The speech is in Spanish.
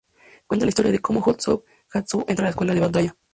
Cuenta la historia de como "Hot Soup" Han Tzu entra la Escuela de Batalla.